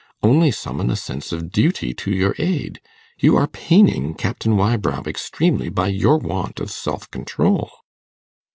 Only summon a sense of duty to your aid. You are paining Captain Wybrow extremely by your want of self control.